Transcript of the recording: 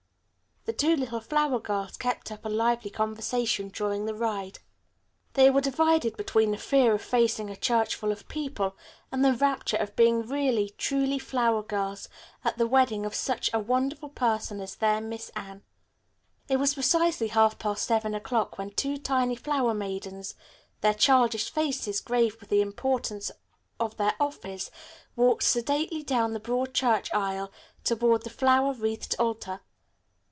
The two little flower girls kept up a lively conversation during the ride. They were divided between the fear of facing a church full of people and the rapture of being really, truly flower girls at the wedding of such a wonderful person as their Miss Anne. It was precisely half past seven o'clock when two tiny flower maidens, their childish faces grave with the importance of their office, walked sedately down the broad church aisle toward the flower wreathed altar.